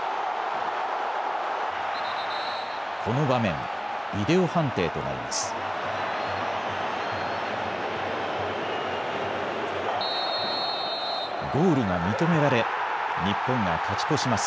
この場面、ビデオ判定となります。